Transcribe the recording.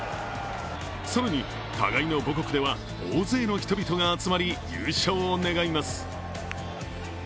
更に互いの母国では大勢の人々が集まり優勝を願います。